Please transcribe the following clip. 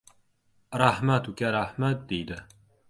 Rahmat, uka, rahmat, deydi.